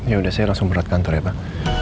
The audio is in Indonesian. yaudah saya langsung berlatih kantor ya pak